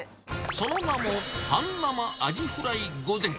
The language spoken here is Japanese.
その名も半生アジフライ御膳。